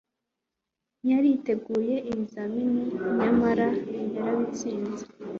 ntiyari yiteguye ibizamini nyamara yarabitsinze